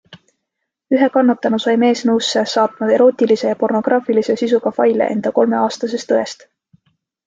Ühe kannatanu sai mees nõusse saatma erootilise ja pornograafilise sisuga faile enda kolmeaastasest õest.